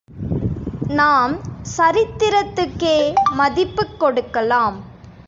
நாம் சரித்திரத்துக்கே மதிப்புக் கொடுக்கலாம்.